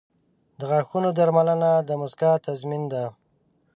• د غاښونو درملنه د مسکا تضمین ده.